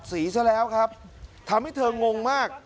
ขาดสีฉะนั้นครับทำให้เธองงมาก